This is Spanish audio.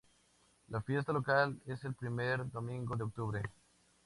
La fiesta local es el primer domingo de octubre.